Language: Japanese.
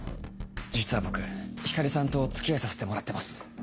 実は僕光莉さんとお付き合いさせてもらってます。